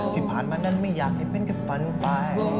ที่ผ่านมานั้นไม่อยากให้เป็นกับฝันไป